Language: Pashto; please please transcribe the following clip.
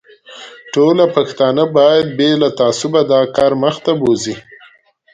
ټوله پښتانه باید بې له تعصبه دا کار مخ ته بوزي.